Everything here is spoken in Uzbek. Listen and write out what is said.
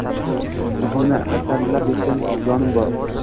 Ruhimni allalab yotgan jahonim bor.